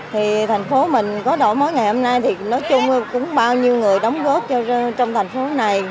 thì thành phố mình có đổi mới ngày hôm nay thì nói chung cũng bao nhiêu người đóng góp cho trong thành phố này